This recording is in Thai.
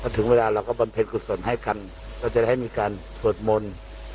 ถึงเวลาเราก็บำเพ็ญกุศลให้กันก็จะได้มีการสวดมนต์